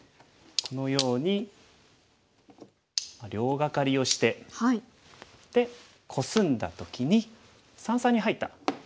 このように両ガカリをしてでコスんだ時に三々に入った格好に多いですかね。